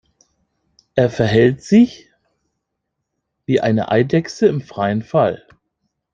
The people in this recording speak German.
Er verhält sich wie eine Eidechse im freien Fall.